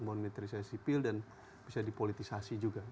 militerisasi sipil dan bisa dipolitisasi juga